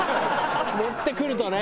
持ってくるとね。